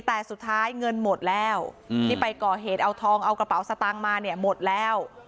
แต่สุดท้ายเงินหมดแล้วที่ไปก่อเหตุเอาทองเอากระเป๋าสตางค์มาเนี่ยหมดแล้ว